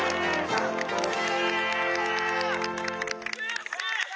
悔しい！